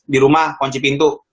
di rumah kunci pintu